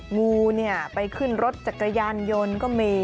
งูเนี่ยไปขึ้นรถจักรยานยนต์ก็มี